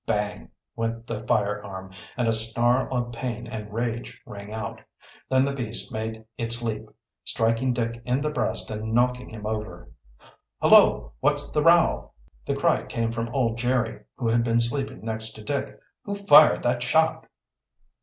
Bang! went the firearm, and a snarl of pain and rage rang out. Then the beast made its leap, striking Dick in the breast and knocking him over. "Hullo! what's the row?" The cry came from old Jerry, who had been sleeping next to Dick. "Who fired that shot?"